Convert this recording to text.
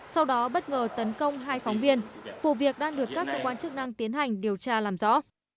sau đó bất ngờ tấn công hai phóng viên vụ việc đang được các cơ quan chức năng tiến hành điều tra làm rõ